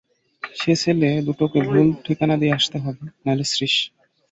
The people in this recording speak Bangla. সেই ছেলে দুটোকে ভুল ঠিকানা দিয়ে আসতে হবে, নইলে– শ্রীশ।